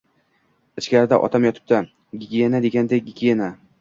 — Ichkarida... otam yotibdi. Gigiena deganday, gigiena...